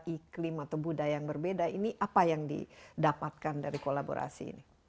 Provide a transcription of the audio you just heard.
iklim atau budaya yang berbeda ini apa yang didapatkan dari kolaborasi ini